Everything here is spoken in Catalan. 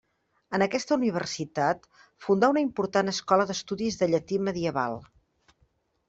En aquesta universitat fundà una important escola d’estudis de llatí medieval.